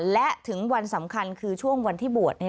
และถึงวันสำคัญคือช่วงวันที่บวช